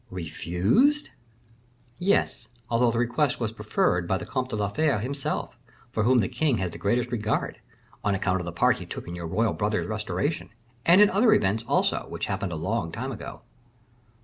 "Refused?" "Yes, although the request was preferred by the Comte de la Fere himself, for whom the king has the greatest regard, on account of the part he took in your royal brother's restoration, and in other events, also, which happened a long time ago."